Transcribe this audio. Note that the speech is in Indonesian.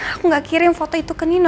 aku nggak kirim foto itu ke nino